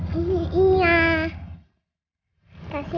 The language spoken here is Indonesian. makasih ya tante